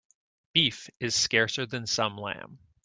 Beef is scarcer than some lamb.